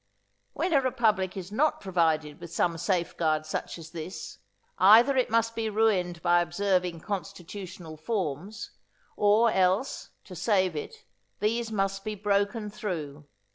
When a republic is not provided with some safeguard such as this, either it must be ruined by observing constitutional forms, or else, to save it, these must be broken through.